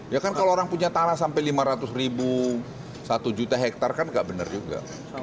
ya kan kalau orang punya tanah sampai lima ratus ribu satu juta hektare kan nggak benar juga